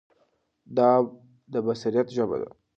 دا د بصیرت ژبه ده.